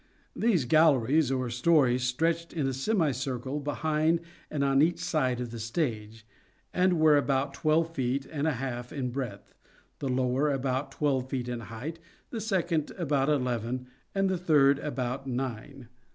These galleries, or stories, stretched in a semicircle behind and on each side of the stage, and were about twelve feet and a half in breadth, the lower about twelve feet in height the second about eleven, and the third about nine.